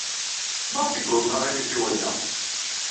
Maɣef ay uḍnen aɣilif i waya?